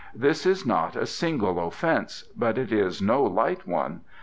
This is not a single offence, but it is no light one.